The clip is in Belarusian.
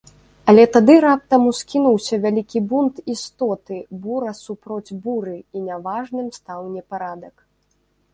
Але тады раптам ускінуўся вялікі бунт істоты, бура супроць буры, і няважным стаў непарадак.